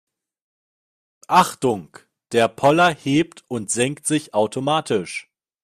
Achtung, der Poller hebt und senkt sich automatisch.